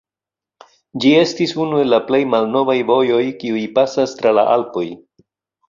Ĝi estis unu el la plej malnovaj vojoj, kiuj pasas tra la Alpoj.